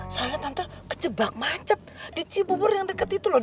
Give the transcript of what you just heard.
soalnya tante kecebak macet di chibubur yang deket itu loh